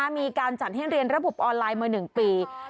มีการจัดให้เรียนระบบออนไลน์มา๑ปี